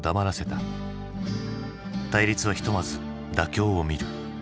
対立はひとまず妥協をみる。